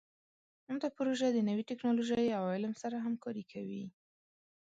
دا پروژه د نوي ټکنالوژۍ او علم سره همکاري کوي.